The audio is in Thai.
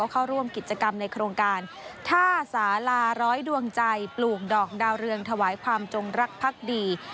เข้าร่วมกิจกรรมในโครงการท่าสาราร้อยดวงใจปลูกดอกดาวเรืองถวายความจงรักพักดี